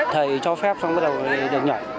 thầy cho phép xong bắt đầu được nhảy